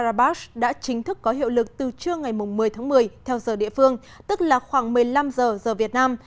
lệnh ngừng bắn tại khu vực nagorno karabakh đã chính thức có hiệu lực từ trưa ngày một mươi tháng một mươi theo giờ địa phương tức là khoảng một mươi năm giờ giờ việt nam